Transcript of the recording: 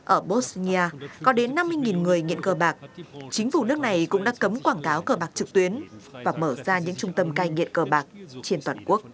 ở bosnia có đến năm mươi người nghiện cờ bạc chính phủ nước này cũng đã cấm quảng cáo cờ bạc trực tuyến và mở ra những trung tâm cai nghiện cờ bạc trên toàn quốc